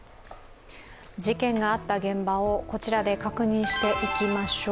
事件があった現場をこちらで確認していきましょう。